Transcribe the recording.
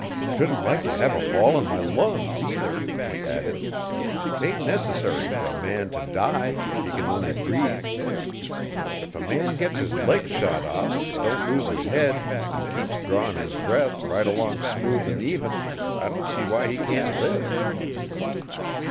'Shouldn't like t'have a ball in my lungs, either,' he added. ''Tain't necessary fer a man t'die if he can only breathe. If a man gits his leg shot off an' don't lose his head an' keeps drawin' his breath right along smooth an even, I don't see why he can't live.